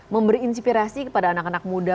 memberi inspirasi kepada anak anak muda